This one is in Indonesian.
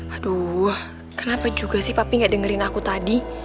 aduh kenapa juga sih papi gak dengerin aku tadi